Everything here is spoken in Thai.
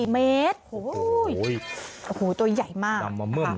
๔เมตรโอ้โหตัวใหญ่มาก